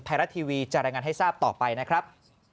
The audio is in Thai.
ไทยรัฐทีวีจะรายงานให้ทราบต่อไปนะครับ